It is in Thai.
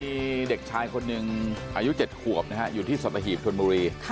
มีเด็กชายคนหนึ่งอายุ๗ขวบอยู่ที่สัตวิธีธรรมบุรี